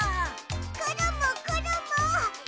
コロンもコロンも！